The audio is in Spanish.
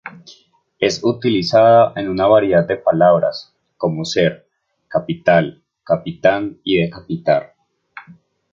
Es utilizada en una variedad de palabras, como ser "capital", "capitán" y "decapitar".